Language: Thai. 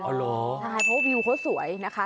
ใช่เพราะวิวเขาสวยนะคะ